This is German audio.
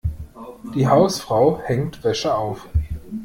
Die Hausfrau hängt Wäsche auf.